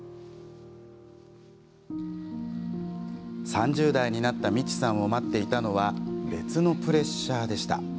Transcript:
３０代になったみちさんを待っていたのは別のプレッシャーでした。